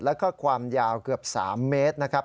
แล้วก็ความยาวเกือบ๓เมตรนะครับ